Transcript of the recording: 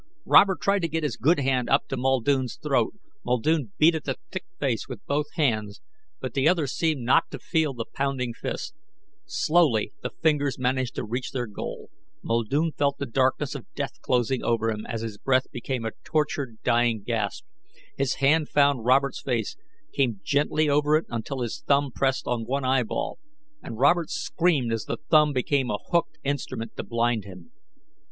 Robert tried to get his good hand up to Muldoon's throat. Muldoon beat at the thick face with both hands. But the other seemed not to feel the pounding fists. Slowly the fingers managed to reach their goal. Muldoon felt the darkness of death closing over him as his breath became a tortured dying gasp. His hand found Robert's face, came gently over it until his thumb pressed on one eyeball. And Robert screamed as the thumb became a hooked instrument to blind him.